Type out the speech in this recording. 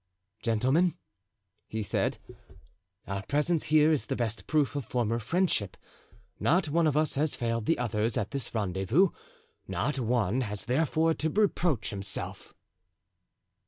"Gentlemen," he said, "our presence here is the best proof of former friendship; not one of us has failed the others at this rendezvous; not one has, therefore, to reproach himself."